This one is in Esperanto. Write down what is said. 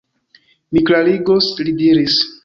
Mi klarigos, li diris.